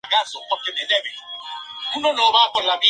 El emir Boabdil, de la dinastía Nazarí, tuvo que abandonar Granada.